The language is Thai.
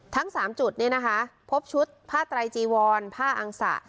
ทั้งสามจุดนี่นะคะพบชุดผ้าไตรจีวรผ้าอังสะ